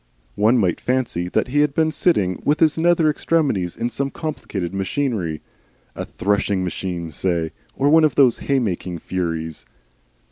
One might fancy that he had been sitting with his nether extremities in some complicated machinery, a threshing machine, say, or one of those hay making furies.